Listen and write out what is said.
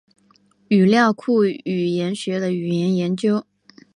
语料库语言学的语言研究。